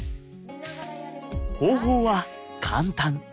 方法は簡単。